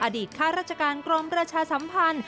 อดีตค่าราชการกรมราชาสัมพันธ์